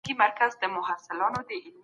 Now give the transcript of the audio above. حکومتونه ولي د انسان حقونو ته درناوی کوي؟